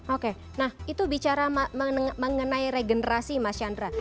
oke nah itu bicara mengenai regenerasi mas chandra